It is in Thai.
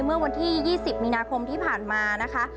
เมื่อวันที่๒๐มีนาคมที่ผ่านมานะคะ